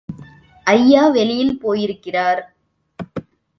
ஐயா வெளியில் போயிருக்கிறார்.